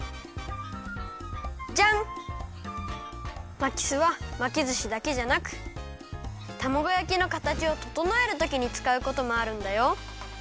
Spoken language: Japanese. まきすはまきずしだけじゃなくたまごやきのかたちをととのえるときにつかうこともあるんだよ。